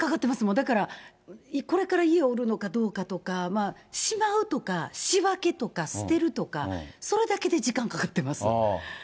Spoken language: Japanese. だから、これから家を売るのかどうかとか、しまうとか仕分けとか捨てるとか、それだけで時間かかっています。